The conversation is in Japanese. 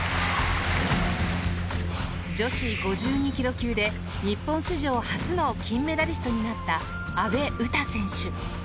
女子５２ｋｇ級で日本史上初の金メダリストになった阿部詩選手。